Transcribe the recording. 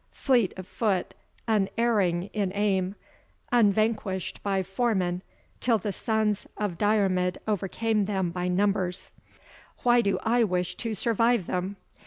fleet of foot unerring in aim unvanquished by foemen till the sons of Diarmid overcame them by numbers! Why do I wish to survive them?